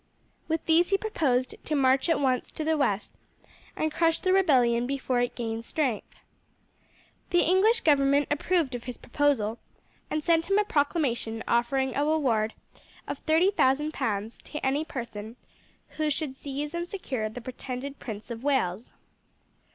With these he proposed to march at once to the west, and crush the rebellion before it gained strength. The English government approved of his proposal, and sent him a proclamation offering a reward of thirty thousand pounds to any person who should seize and secure the pretended Prince of Wales.